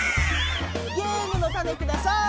ゲームのたねください！